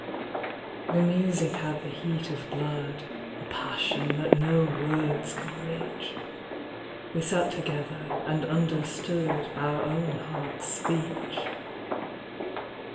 The music had the heat of blood, A passion that no words can reach ; We sat together, and understood Our own heart's speech.